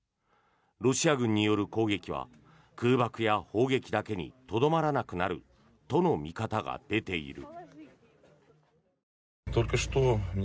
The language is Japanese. ロシア軍による攻撃は空爆や砲撃だけにとどまらなくなるとの見方が出ている。